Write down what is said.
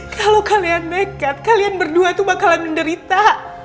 kalo kalian dekat kalian berdua tuh bakalan menderita